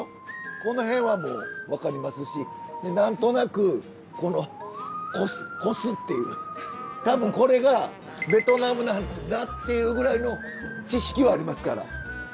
この辺はもう分かりますし何となくこの「越」っていう多分これがベトナムなんだっていうぐらいの知識はありますから。